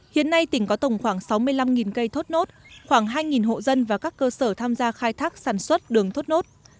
hiện nay tỉnh có tổng khoảng sáu mươi năm cây thốt nốt khoảng hai hộ dân và các cơ sở tham gia khai thác sản xuất đường thốt nốt